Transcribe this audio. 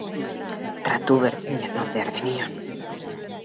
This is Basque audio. Tratu berdina eman behar genion.